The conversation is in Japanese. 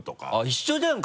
一緒じゃん！